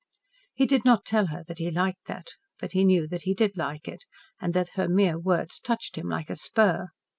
He did not tell her that he liked that, but he knew that he did like it and that her mere words touched him like a spur.